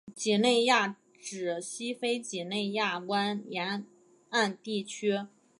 几内亚指西非几内亚湾沿岸地区。